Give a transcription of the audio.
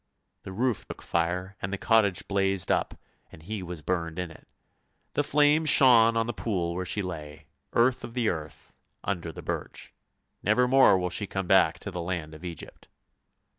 The roof took fire and the cottage blazed up. and he was burnt in it. The flames shone on the pool where she lay, earth of the earth, under the birch. Never more will she come back to the land of Egypt."